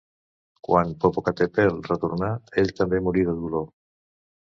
Quan Popocatépetl retornà, ell també morí de dolor.